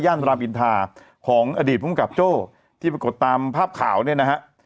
รามอินทาของอดีตภูมิกับโจ้ที่ปรากฏตามภาพข่าวเนี่ยนะฮะ